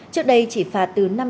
trước đây chỉ phạt từ